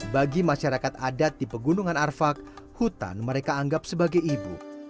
bagi masyarakat adat di pegunungan arfak hutan mereka anggap sebagai ibu